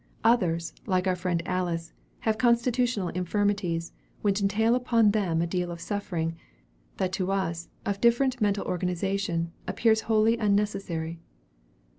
Others, like our friend Alice, have constitutional infirmities, which entail upon them a deal of suffering, that to us, of different mental organization, appears wholly unnecessary."